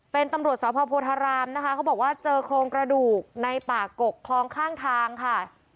เป็นตำรวจสพโพธารามนะคะเขาบอกว่าเจอโครงกระดูกในป่ากกคลองข้างทางค่ะ